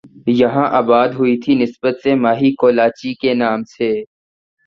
یہاں آباد ہوئی تھی کی نسبت سے مائی کولاچی کے نام سے